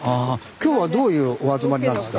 今日はどういうお集まりなんですか？